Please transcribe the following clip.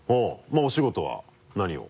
お仕事は何を？